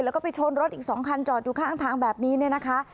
แล้วก็ไปชนรถอีก๒คันจอดอยู่ข้างทางแบบนี้เนี่ยนะคะ